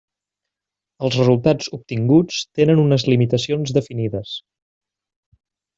Els resultats obtinguts tenen unes limitacions definides.